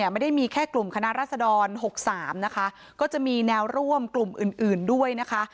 ไม่ได้มีแค่กลุ่มคณะรัศดร๖๓นะคะก็จะมีแนวร่วมกลุ่มอื่นด้วยนะคะ